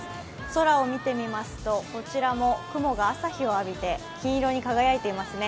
空を見てみますとこちらも雲が朝日を浴びて金色に輝いていますね。